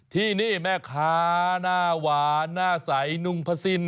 ที่นี่แม่ค้าหน้าหวานหน้าใสนุ่งพระสิน